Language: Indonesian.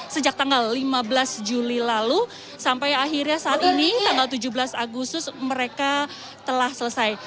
sejak tanggal lima belas juli lalu sampai akhirnya saat ini tanggal tujuh belas agustus mereka telah selesai